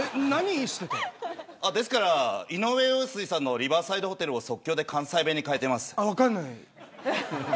ですから、井上陽水さんのリバーサイドホテルを即興で関西弁に変えてます。